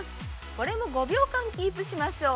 これも５秒キープしましょう。